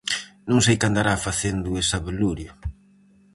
Non sei que andará facendo ese abelurio.